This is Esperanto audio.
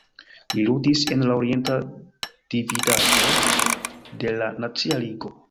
Li ludis en la Orienta Dividaĵo de la Nacia Ligo.